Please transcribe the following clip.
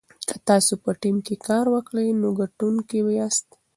که تاسي په ټیم کې کار وکړئ نو ګټونکي یاست.